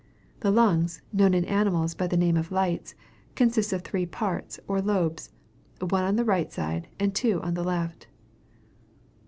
The lungs, known in animals by the name of lights, consist of three parts, or lobes, one on the right side, and two on the left.